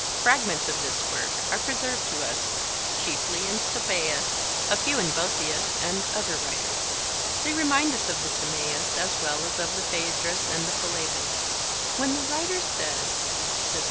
Fragments of this work are preserved to us, chiefly in Stobaeus, a few in Boethius and other writers. They remind us of the Timaeus, as well as of the Phaedrus and Philebus. When the writer says (Stob.